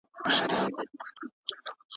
درېیم ډول پوښتنې تکویني دي.